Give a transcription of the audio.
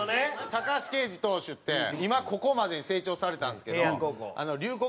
高橋奎二投手って今ここまで成長されたんですけど龍谷